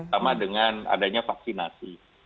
sama dengan adanya vaksinasi